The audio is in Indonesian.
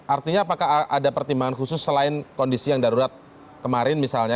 artinya apakah ada pertimbangan khusus selain kondisi yang darurat kemarin misalnya